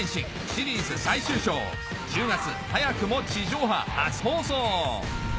シリーズ最終章１０月早くも地上波初放送